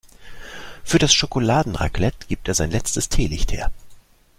Für das Schokoladenraclette gibt er sein letztes Teelicht her.